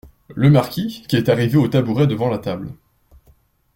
Le marquis , qui est arrivé au tabouret devant la table.